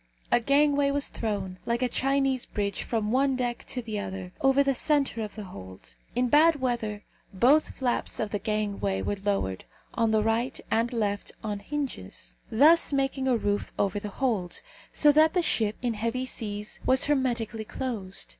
A gangway was thrown, like a Chinese bridge, from one deck to the other, over the centre of the hold. In bad weather, both flaps of the gangway were lowered, on the right and left, on hinges, thus making a roof over the hold; so that the ship, in heavy seas, was hermetically closed.